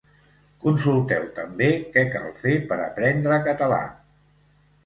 Consulteu també què cal fer per aprendre català.